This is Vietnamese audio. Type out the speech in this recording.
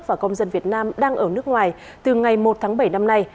và công dân việt nam đang ở nước ngoài từ ngày một tháng bảy năm nay